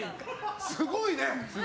すごいね！